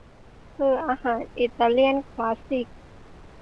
พิซซ่าคืออาหารอิตาเลียนคลาสสิค